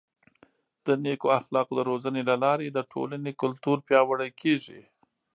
د نیکو اخلاقو د روزنې له لارې د ټولنې کلتور پیاوړی کیږي.